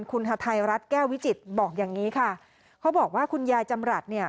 คุณฮาไทยรัฐแก้ววิจิตรบอกอย่างงี้ค่ะเขาบอกว่าคุณยายจำรัฐเนี่ย